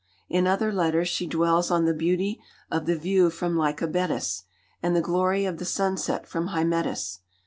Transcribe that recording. In other letters she dwells on the beauty of the view from Lycabettus, and the glory of the sunset from Hymettus.